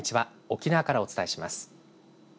沖縄からお伝えします。